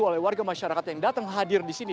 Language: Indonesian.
oleh warga masyarakat yang datang hadir di sini